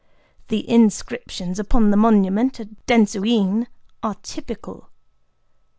The inscriptions upon the monument at Dentsu In are typical.